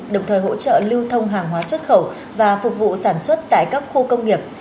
đồng thời hỗ trợ lưu thông hàng hóa xuất khẩu và phục vụ sản xuất tại các khu công nghiệp